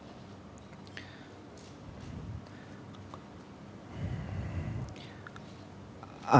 ananda kaisang pengarap putra